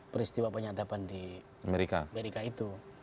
peristiwa penyadapan di amerika itu